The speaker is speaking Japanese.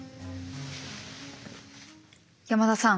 山田さん。